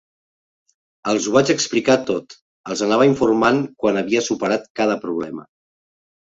Els ho vaig explicar tot, els anava informant quan havia superat cada problema.